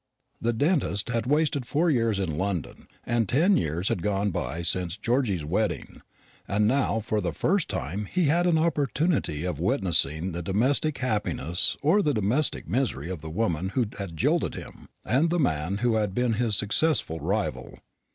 The dentist had wasted four years in London, and ten years had gone by since Georgy's wedding; and now for the first time he had an opportunity of witnessing the domestic happiness or the domestic misery of the woman who had jilted him, and the man who had been his successful rival.